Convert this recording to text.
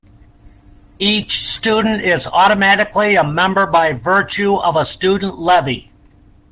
Each student is automatically a member by virtue of a student levy.